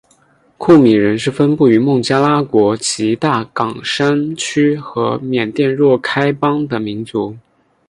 库米人是分布于孟加拉国吉大港山区和缅甸若开邦的民族。